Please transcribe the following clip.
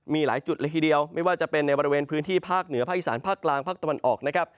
มีหลายจุดเลยทีเดียวไม่ว่าจะเป็นในบริเวณพื้นที่ภาคเหนือภาคอีสานภาคกลางภาคตะวันออกนะครับ